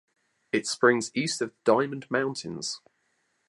It springs East of the Diamond Mountains.